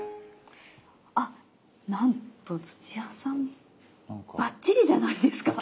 あっなんと土屋さんばっちりじゃないですか。